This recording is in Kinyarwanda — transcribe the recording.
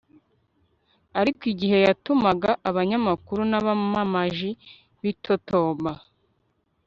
ariko igihe yatumaga abanyamakuru n'abamamaji bitotomba